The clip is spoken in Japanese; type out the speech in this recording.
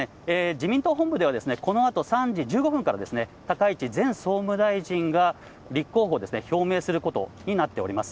自民党本部ではこのあと３時１５分から、高市前総務大臣が立候補を表明することになっております。